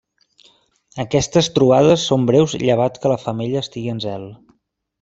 Aquestes trobades són breus llevat que la femella estigui en zel.